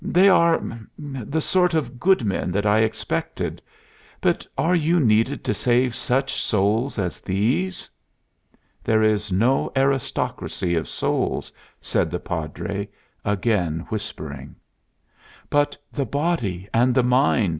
They are the sort of good men that I expected. But are you needed to save such souls as these?" "There is no aristocracy of souls," said the Padre, again whispering. "But the body and the mind!"